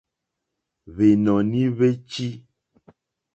Hwènɔ̀ní hwé tʃí.